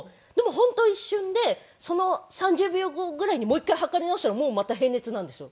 本当一瞬でその３０秒後ぐらいにもう一回測り直したらもうまた平熱なんですよ。